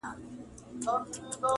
نن د سولي آوازې دي د جنګ بندي نغارې دي-